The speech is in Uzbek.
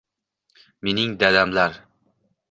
Mening dadamlar!